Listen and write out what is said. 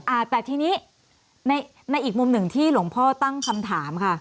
อ่าแต่ทีนี้ในในอีกมุมหนึ่งที่หลวงพ่อตั้งคำถามค่ะ